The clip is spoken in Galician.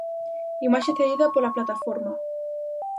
Imaxe cedida pola Plataforma.